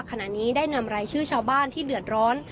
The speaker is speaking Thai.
ขณะนี้ได้นำรายชื่อชาวบ้านที่เดือดร้อน